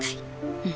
うん。